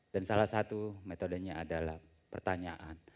dan salah satu metodenya adalah pertanyaan